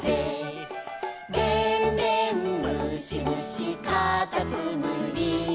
「でんでんむしむしかたつむり」